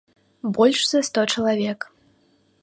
Больш за сто чалавек.